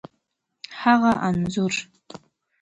هغه انځور،